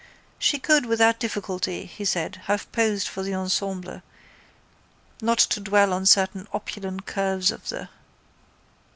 She could without difficulty, he said, have posed for the ensemble, not to dwell on certain opulent curves of the.